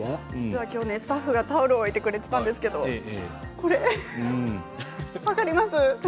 スタッフがタオルを置いてくれていたんですけれどもこれ分かります？